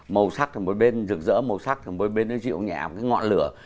màu sắc thì một bên rực rỡ màu sắc thì một bên rượu nhẹ một cái ngọn lửa